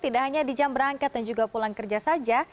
tidak hanya di jam berangkat dan juga pulang kerja saja